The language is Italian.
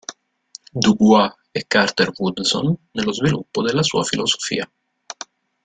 Du Bois e Carter Woodson nello sviluppo della sua filosofia.